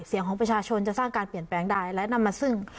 เสียงของประชาชนจะสร้างการเปลี่ยนแปลงได้และนำมาซึ่ง